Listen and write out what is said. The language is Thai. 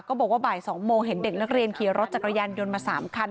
บอกว่าบ่าย๒โมงเห็นเด็กนักเรียนขี่รถจักรยานยนต์มา๓คัน